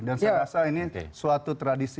dan saya rasa ini suatu tradisi